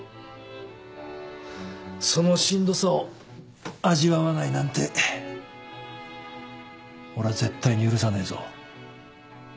そのしんどさを味わわないなんて俺は絶対に許さねえぞ。